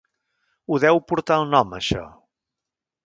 Ho deu portar el nom, això.